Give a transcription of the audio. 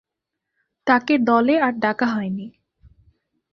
তাকে দলে আর ডাকা হয়নি।